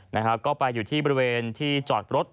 นะครับก็ไปอยู่ที่บริเวณที่จอดรถ